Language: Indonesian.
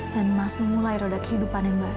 dan mas memulai roda kehidupan yang baru